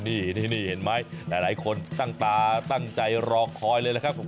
นี่เห็นไหมหลายคนตั้งตาตั้งใจรอคอยเลยนะครับ